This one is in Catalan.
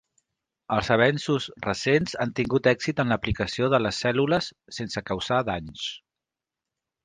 Els avenços recents han tingut èxit en l'aplicació de les cèl·lules sense causar danys.